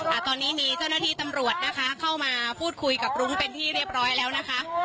อ่าตอนนี้มีเจ้าหน้าที่ตำรวจนะคะเข้ามาพูดคุยกับรุ้งเป็นที่เรียบร้อยแล้วนะคะ